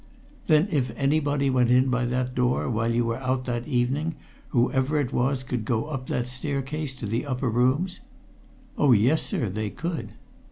"Then, if anybody went in by that door while you were out that evening, whoever it was could go up that staircase to the upper rooms?" "Oh, yes, sir, they could."